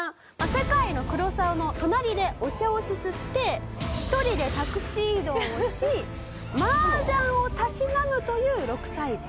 世界のクロサワの隣でお茶をすすって１人でタクシー移動をし麻雀をたしなむという６歳児。